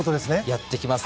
やってきます。